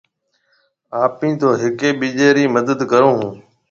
اپَي تو هيَڪي ٻِيجي رِي مدد ڪرون هون